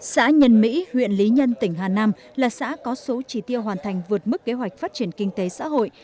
xã nhân mỹ huyện lý nhân tỉnh hà nam là xã có số trí tiêu hoàn thành vượt mức kế hoạch phát triển kinh tế xã hội